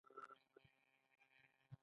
قانون د ټولنې د نظم وسیله ده